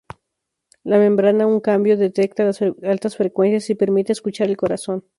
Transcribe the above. La membrana, en cambio, detecta las altas frecuencias y permite escuchar el corazón.